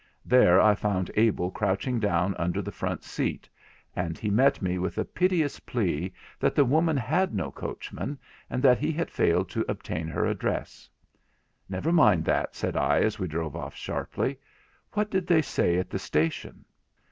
There I found Abel crouching down under the front seat, and he met me with a piteous plea that the woman had no coachman, and that he had failed to obtain her address. 'Never mind that,' said I, as we drove off sharply, 'what did they say at the station